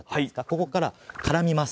ここから絡みます。